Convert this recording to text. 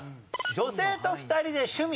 女性と２人で趣味。